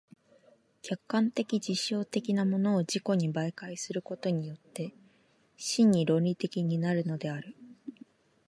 客観的実証的なものを自己に媒介することによって真に論理的になるのである。